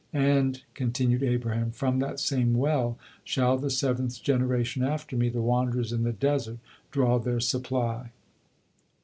And," continued Abraham, "from that same well shall the seventh generation after me, the wanderers in the desert, draw their supply."